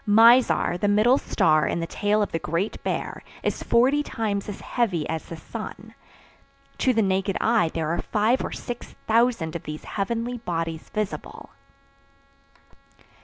Mizar, the middle star in the tail of the Great Bear, is forty times as heavy as the sun. To the naked eye there are five or six thousand of these heavenly bodies visible.